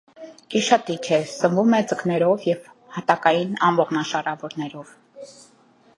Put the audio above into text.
Գիշատիչ է, սնվում է ձկներով և հատակային անողնաշարավորներով։